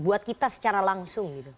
buat kita secara langsung gitu